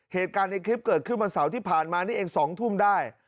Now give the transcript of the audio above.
เหตุการณ์ในคลิปเกิดขึ้นวันเสาร์ที่ผ่านมานี่เอง๒ทุ่มได้